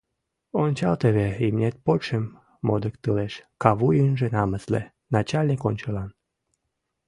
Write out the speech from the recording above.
— Ончал теве, имнет почшым модыктылеш, кавуй ынже намысле... начальник ончылан.